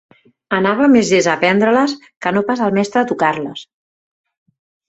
Anava més llest a aprendre-les que no pas el mestre a tocar-les